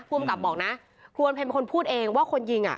ภูมิกับบอกนะครูอำเพ็ญเป็นคนพูดเองว่าคนยิงอ่ะ